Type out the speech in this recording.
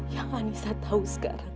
yang anissa tahu sekarang